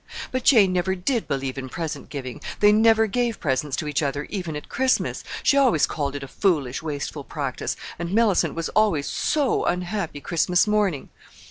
"But Jane never did believe in present giving. They never gave presents to each other even at Christmas. She always called it a foolish, wasteful practice, and Mellicent was always so unhappy Christmas morning!"